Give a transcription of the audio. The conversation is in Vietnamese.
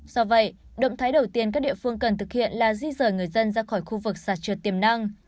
do vậy động thái đầu tiên các địa phương cần thực hiện là di rời người dân ra khỏi khu vực sạt trượt tiềm năng